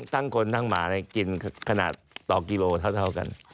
ทั้งคนทั้งหมากินขนาดต่อกิโลเท่ากัน